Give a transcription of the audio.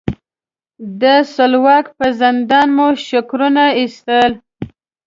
د سلواک په زندان مو شکرونه ایستل.